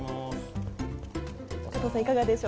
加藤さん、いかがでしょう？